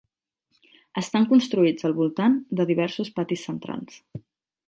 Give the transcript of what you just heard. Estan construïts al voltant de diversos patis centrals.